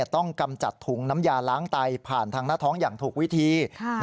กำจัดถุงน้ำยาล้างไตผ่านทางหน้าท้องอย่างถูกวิธี